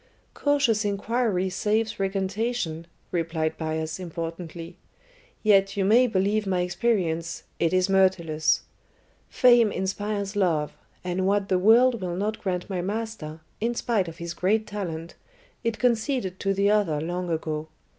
"Cautious inquiry saves recantation," replied Bias importantly. "Yet you may believe my experience, it is Myrtilus. Fame inspires love, and what the world will not grant my master, in spite of his great talent, it conceded to the other long ago.